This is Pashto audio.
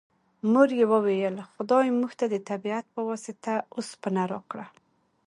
مور یې وویل خدای موږ ته د طبیعت په واسطه اوسپنه راکړه